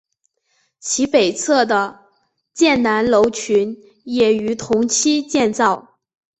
其北侧的建南楼群也于同期建造。